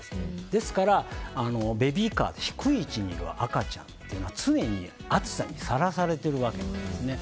ですから、ベビーカー低い位置にいる赤ちゃんは常に暑さにさらされているわけなんですね。